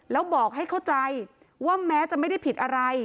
แล้วบอกให้เข้าใจว่าแม้จะไม่ได้ผิดอะไร